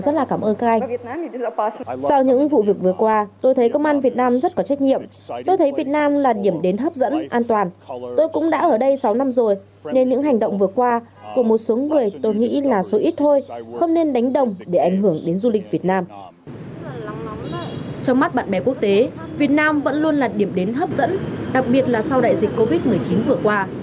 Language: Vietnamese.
trong mắt bạn bè quốc tế việt nam vẫn luôn là điểm đến hấp dẫn đặc biệt là sau đại dịch covid một mươi chín vừa qua